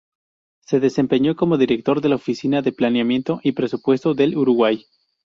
Se desempeñó como Director de la Oficina de Planeamiento y Presupuesto del Uruguay.